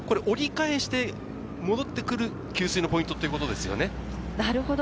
折り返して戻ってくる給水のポイントということですかね？